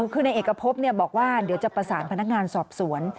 คือในเอกพบบอกว่าเดี๋ยวจะประสานพนักงานสอบสวน